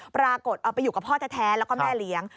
ไปอยู่กับพ่อแท้แล้วก็แม่เลี้ยง